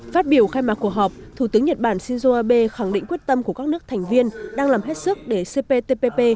phát biểu khai mạc cuộc họp thủ tướng nhật bản shinzo abe khẳng định quyết tâm của các nước thành viên đang làm hết sức để cptpp